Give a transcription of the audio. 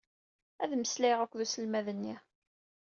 Ad mmeslayeɣ akked uselmad-nni.